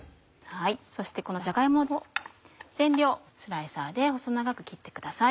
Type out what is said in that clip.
そしてこのじゃが芋を全量スライサーで細長く切ってください。